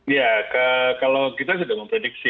ya kalau kita sudah memprediksi